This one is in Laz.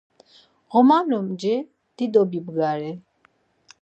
Ğoman limci dido vimgari.